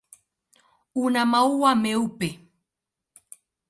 Una maua meupe.